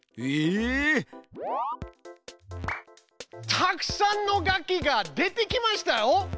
たくさんの楽器が出てきましたよ。